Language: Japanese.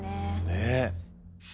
ねえ。